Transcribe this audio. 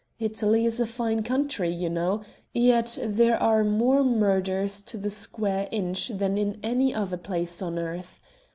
Italy is a fine country, you know, yet there are more murders to the square inch there than in any other place on earth.